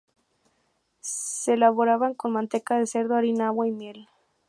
Se elaboraban con manteca de cerdo, harina, agua y miel.